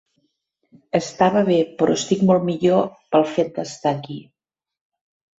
Estava bé, però estic molt millor pel fet d'estar aquí